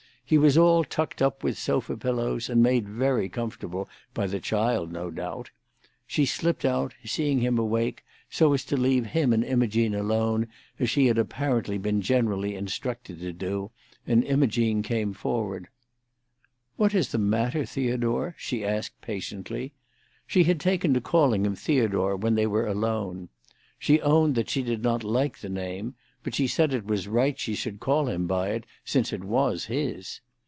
He was all tucked up with sofa pillows, and made very comfortable, by the child, no doubt. She slipped out, seeing him awake, so as to leave him and Imogene alone, as she had apparently been generally instructed to do, and Imogene came forward. "What is the matter, Theodore?" she asked patiently. She had taken to calling him Theodore when they were alone. She owned that she did not like the name, but she said it was right she should call him by it, since it was his.